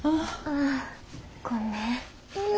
ああごめん。